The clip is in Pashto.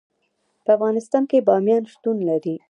په افغانستان کې بامیان شتون لري.